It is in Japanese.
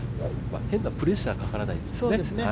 変なプレッシャーかからないですもんね。